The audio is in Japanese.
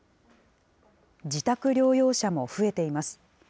自宅療養者も増えています。